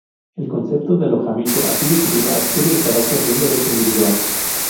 El concepto de alojamiento, así definido, adquiere el carácter de un "derecho individual".